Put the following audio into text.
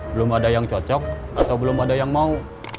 belum ada yang cocok atau belum ada yang mau